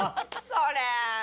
それ。